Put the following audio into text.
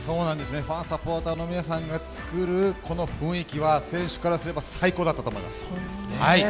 ファン、サポーターの皆さんが作るこの雰囲気は選手からすれば最高だったと思います。